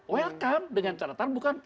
welcome dengan catatan bukan